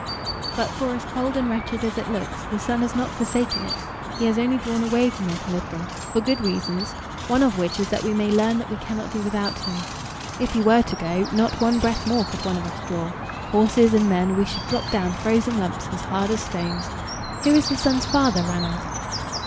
"But, for as cold and wretched as it looks, the sun has not forsaken it. He has only drawn away from it a little, for good reasons, one of which is that we may learn that we cannot do without him. If he were to go, not one breath more could one of us draw. Horses and men, we should drop down frozen lumps, as hard as stones. Who is the sun's father, Ranald?"